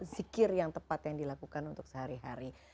zikir yang tepat yang dilakukan untuk sehari hari